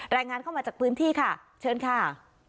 รายงานเข้ามาจากพื้นที่ค่ะเชิญค่ะ